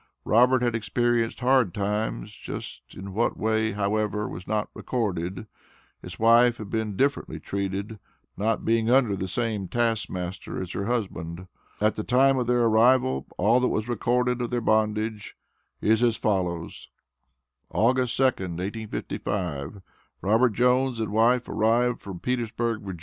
Robert had experienced "hard times" just in what way, however, was not recorded; his wife had been differently treated, not being under the same taskmaster as her husband. At the time of their arrival all that was recorded of their bondage is as follows August 2d, 1855, Robert Jones and wife, arrived from Petersburg, Va.